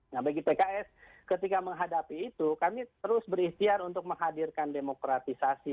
nah bagi pks ketika menghadapi itu kami terus berikhtiar untuk menghadirkan demokratisasi